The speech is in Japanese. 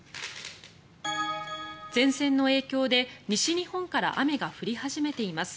前線の影響で西日本から雨が降り始めています。